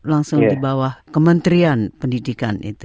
langsung di bawah kementerian pendidikan